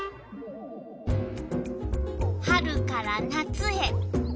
春から夏へ。